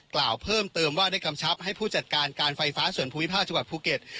กล่าวเพิ่มเติมว่าได้กำชับให้ผู้จัดการการไฟฟ้าส่วนภูมิภาคจังหวัดภูเก็ต